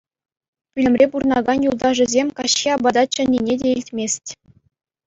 Пӳлӗмре пурӑнакан юлташӗсем каҫхи апата чӗннине те илтмест.